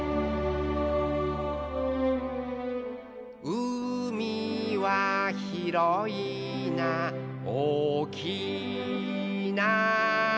「うみはひろいなおおきいな」